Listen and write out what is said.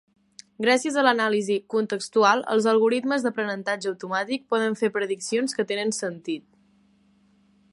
Gràcies a l"anàlisi contextual, els algoritmes d"aprenentatge automàtic poden fer prediccions que tenen sentit.